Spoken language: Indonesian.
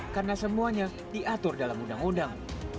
karena semuanya diatur dalam undang undang